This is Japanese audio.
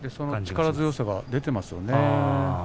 力強さが出ています。